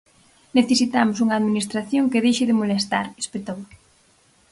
"Necesitamos unha administración que deixe de molestar", espetou.